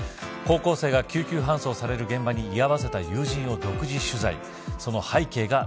高校生が救急搬送する現場に居合わせた友人を独自取材。